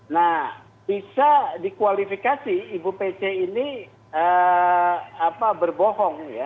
nah bisa dikualifikasi ibu pc ini berbohong ya